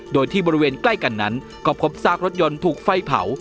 โดยที่บริเวณใกล้กันนั้นก็พบซากรถยนต์ถูกไฟเผา